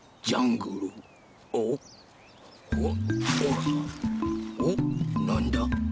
おっ？おっなんだ？